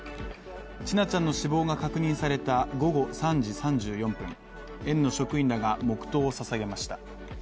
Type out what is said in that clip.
千奈ちゃんの死亡が確認された午後３時３４分、園の職員らが黙とうをささげました。